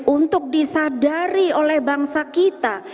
untuk disadari oleh bangsa kita